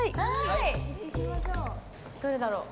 どれだろう。